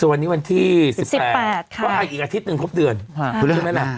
สวัสดีวันที่สิบแปดสิบแปดค่ะอีกอาทิตย์หนึ่งครบเดือนค่ะ